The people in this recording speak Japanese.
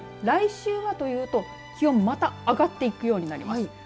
来週はというと気温また上がっていくようになります。